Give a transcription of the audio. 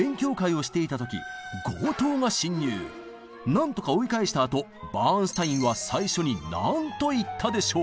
なんとか追い返したあとバーンスタインは最初に何と言ったでしょう？